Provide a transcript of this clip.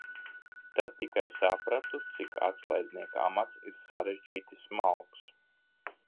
Tad tikai sapratu, cik atslēdznieka amats ir sarežģīti smalks.